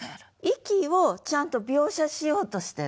息をちゃんと描写しようとしてると。